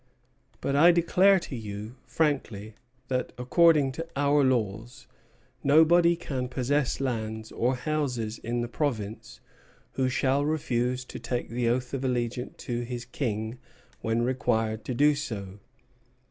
But I declare to you frankly that, according to our laws, nobody can possess lands or houses in the province who shall refuse to take the oath of allegiance to his King when required to do so.